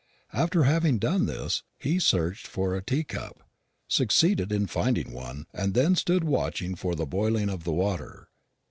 After having done this he searched for a tea cup, succeeded in finding one, and then stood watching for the boiling of the water.